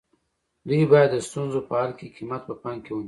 دوی باید د ستونزو په حل کې قیمت په پام کې ونیسي.